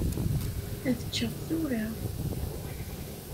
Ad ččeɣ tura.